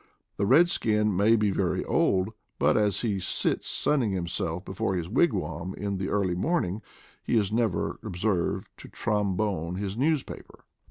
The redskin may be very old, but as he sits sunning himself before his wigwam in the early morning he is never observed to trombone his newspaper.